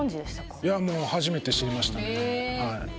いやもう初めて知りましたね